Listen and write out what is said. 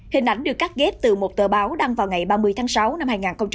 hình ảnh được cắt ghép từ một tờ báo đăng vào ngày ba mươi tháng sáu năm hai nghìn hai mươi